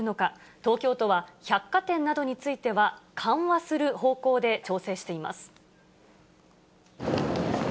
東京都は、百貨店などについては緩和する方向で調整しています。